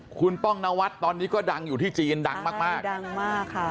คุณป้องนวัดตอนนี้ก็ดังอยู่ที่จีนดังมากมากดังมากค่ะ